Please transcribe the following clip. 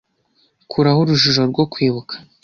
kuraho urujijo rwo kwibuka